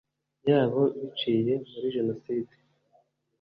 y abo biciye muri jenoside